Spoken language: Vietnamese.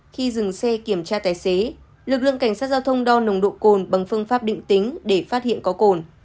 khi dừng xe kiểm tra tài xế lực lượng cảnh sát giao thông đo nồng độ cồn bằng phương pháp định tính để phát hiện có cồn